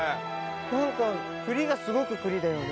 何か栗がすごく栗だよね。